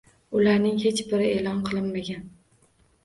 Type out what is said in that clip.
Ularning hech biri e'lon qilmagan